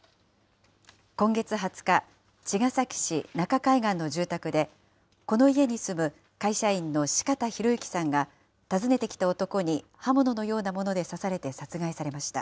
今月２０日、茅ヶ崎市中海岸の住宅で、この家に住む会社員の四方洋行さんが、訪ねてきた男に刃物のようなもので刺されて殺害されました。